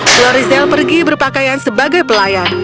florizel pergi berpakaian sebagai pelayan